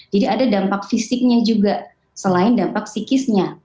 ada dampak fisiknya juga selain dampak psikisnya